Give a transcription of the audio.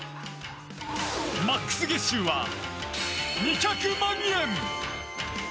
マックス月収は２００万円！